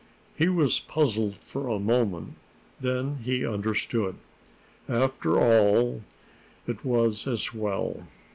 He was puzzled for a moment. Then he understood. After all, it was as well.